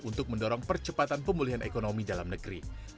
untuk mendorong percepatan pemulihan ekonomi dalam negeri